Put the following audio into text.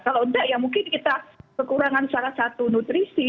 kalau enggak ya mungkin kita kekurangan salah satu nutrisi